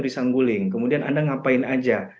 di sangguling kemudian anda ngapain aja